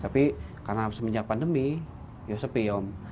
tapi karena semenjak pandemi ya sepi om